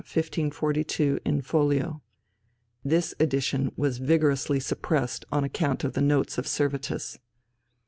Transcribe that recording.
Lugduni, a Porta_, 1542, in folio. This edition was vigorously suppressed on account of the notes of Servetus.